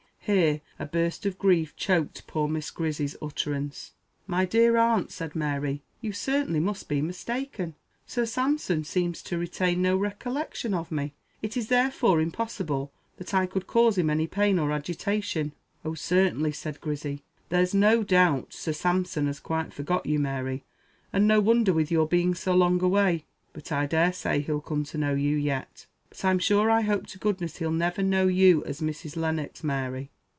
Here a burst of grief choked poor Miss Grizzy's utterance. "My dear aunt," said Mary, "you certainly must be mistaken. Sir Sampson seems to retain no recollection of me. It is therefore impossible that I could cause him any pain or agitation." "Oh certainly!" said Grizzy. "There's no doubt Sir Sampson has quite forgot you, Mary and no wonder with your being so long away; but I daresay he'll come to know you yet. But I'm sure I hope to goodness he'll never know you as Mrs. Lennox, Mary.